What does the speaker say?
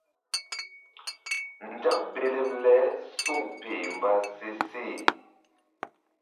Nzak belem le suŋ peh mba se seh.